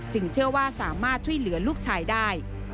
เชื่อว่าสามารถช่วยเหลือลูกชายได้